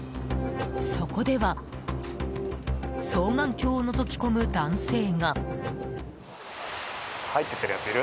そこでは双眼鏡をのぞき込む男性が。